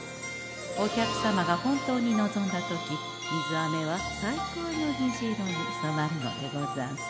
お客様が本当に望んだ時水あめは最高の虹色に染まるのでござんす。